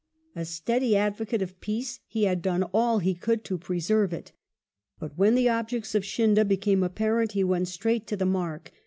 A steady advocate of peace, he had done all he could to preserve it, but when the objects of Scindia became apparent he went straight to the mark.